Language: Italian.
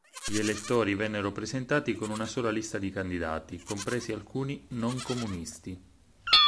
Gli elettori vennero presentati con una sola lista di candidati, compresi alcuni non comunisti.